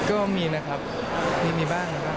ก็มีนะครับมีบ้างนะครับ